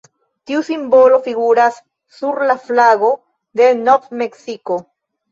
Tiu simbolo figuras sur la flago de Nov-Meksiko.